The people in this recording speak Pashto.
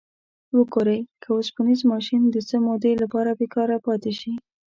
وګورئ که اوسپنیز ماشین د څه مودې لپاره بیکاره پاتې شي.